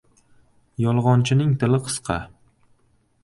• Yolg‘onchining tili qisqa.